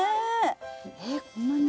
えこんなに？